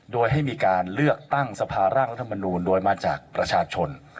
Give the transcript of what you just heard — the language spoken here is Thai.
โดยให้มีการเลือกตั้งสภาร่างรัฐมนูลโดยมาจากประชาชน